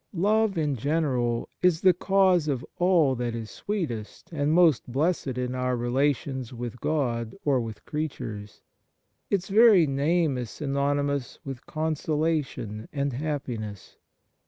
Love in general is the cause of all that is sweetest and most blessed in our rela tions with God or with creatures; its very name is synonymous wdth consolation and happiness.